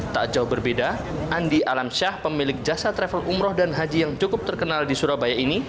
tak jauh berbeda andi alamsyah pemilik jasa travel umroh dan haji yang cukup terkenal di surabaya ini